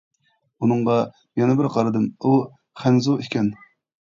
ئۇنىڭغا يەنە بىر قارىدىم، ئۇ خەنزۇ ئىكەن.